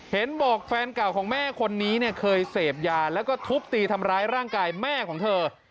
เห็นบอกแฟนเก่าของแม่คนนี้เนี่ยเคยเสพยาแล้วก็ทุบตีทำร้ายร่างกายแม่ของเธอ